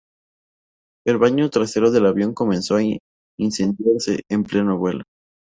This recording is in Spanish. El baño trasero del avión comenzó a incendiarse, en pleno vuelo.